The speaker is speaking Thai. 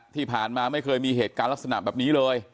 ที่ผ่านมาไม่เคยมีเหตุการณ์ลักษณะแบบนี้เลย